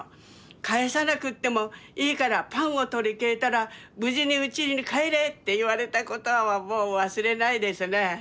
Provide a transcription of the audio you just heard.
「返さなくってもいいからパンを取り替えたら無事にうちに帰れ」って言われた言葉はもう忘れないですね。